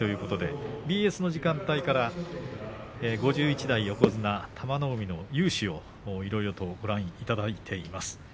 半世紀ということでＢＳの時間帯から５１代横綱玉の海の雄姿をいろいろとご覧いただいています。